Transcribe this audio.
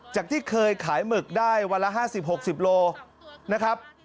ที่เคยขายหมึกได้วันละ๕๐๖๐โลนะครับ